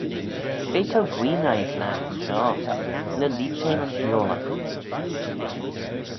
Cre t'ou guee noi 'syn aghin shoh: ny leeid shin ayns miolagh?